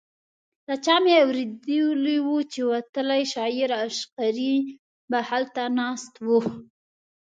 له چا مې اورېدي وو چې وتلی شاعر عشقري به هلته ناست و.